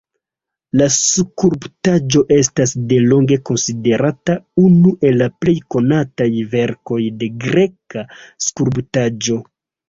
La skulptaĵo estas delonge konsiderata unu el la plej konataj verkoj de greka skulptaĵo.